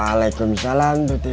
waalaikumsalam bu tuti